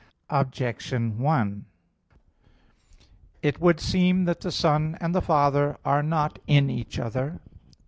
Objection 1: It would seem that the Son and the Father are not in each other.